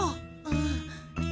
うん。